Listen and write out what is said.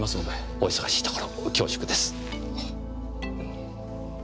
お忙しいところ恐縮です。